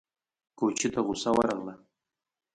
کوچي ته غوسه ورغله!